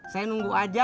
saya nunggu aja